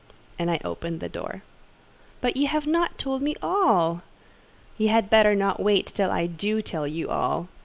And I opened the door. "But you have not told me all." "You had better not wait until I do tell you all.